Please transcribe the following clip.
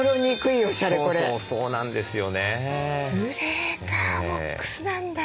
ブレーカーボックスなんだ。